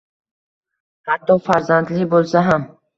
Hatto farzandli boʻlsa ham.